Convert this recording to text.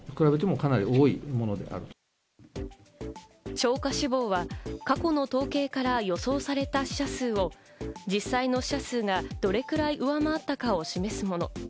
超過死亡は過去の統計から予想された死者数を実際の死者数がどれくらい上回ったかを示すもの。